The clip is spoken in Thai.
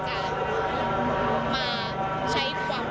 ตอนนี้เป็นครั้งหนึ่งครั้งหนึ่ง